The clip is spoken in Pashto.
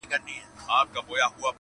حقيقت ورو ورو ښکاره کيږي تل،